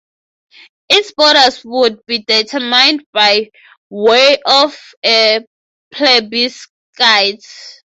Its borders would be determined "by way of a plebiscite".